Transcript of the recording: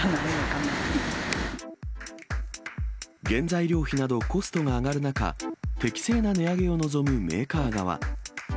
原材料費などコストが上がる中、適正な値上げを望むメーカー側。